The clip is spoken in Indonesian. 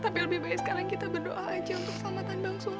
tapi lebih baik sekarang kita berdoa aja untuk selamat tanggung sulam